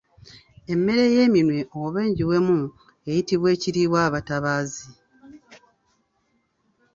Emmere ey'eminwe oba engiwemu eyitibwa ekiriibwabatabaazi.